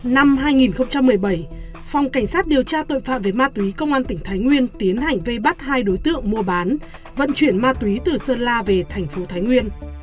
năm hai nghìn một mươi bảy phòng cảnh sát điều tra tội phạm về ma túy công an tỉnh thái nguyên tiến hành vây bắt hai đối tượng mua bán vận chuyển ma túy từ sơn la về thành phố thái nguyên